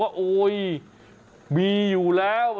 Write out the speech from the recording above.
ขอบคุณมากค่ะ